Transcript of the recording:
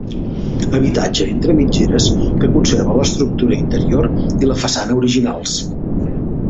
Habitatge entre mitgeres que conserva l'estructura interior i la façana originals.